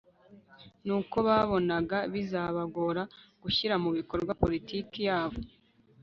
ni uko babonaga bizabagora gushyira mu bikorwa politiki yabo